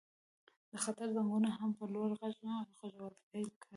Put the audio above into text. د خطر زنګونو هم په لوړ غږ غږول پیل کړل